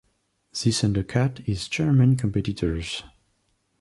This undercut his German competitors.